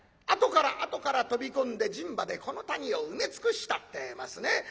あとからあとから飛び込んで人馬でこの谷を埋め尽くしたってえますね。